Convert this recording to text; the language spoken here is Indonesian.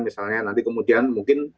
misalnya nanti kemudian mungkin